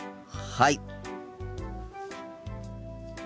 はい。